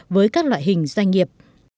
với các loại hình doanh nghiệp